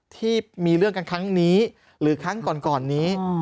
ที่มีเรื่องกันครั้งนี้หรือครั้งก่อนนี้